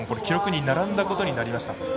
記録に並んだことになりました。